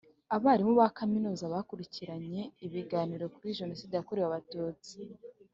Abarimu ba Kaminuza bakurikiranye ibiganiro kuri jenoside yakorewe abatutsi